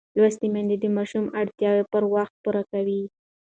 لوستې میندې د ماشوم اړتیاوې پر وخت پوره کوي.